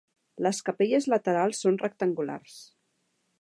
Les capelles laterals són rectangulars.